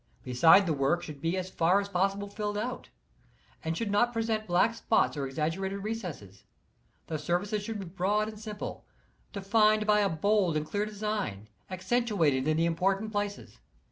Beside the work should be as far as possible filled out, and should hot present black spots or exaggerated recesses. The surfaces should be broad and simple, defined by a bold and clear design, accentuated in the important places.